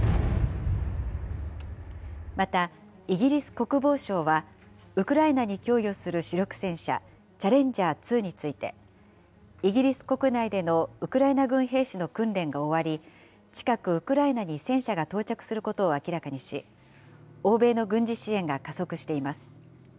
またイギリス国防省は、ウクライナに供与する主力戦車、チャレンジャー２について、イギリス国内でのウクライナ軍兵士の訓練が終わり、近く、ウクライナに戦車が到着することを明らかにし、欧米の軍事支援が加速しています。